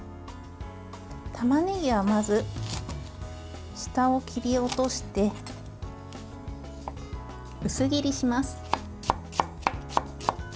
たまねぎは、まず下を切り落として薄切りします。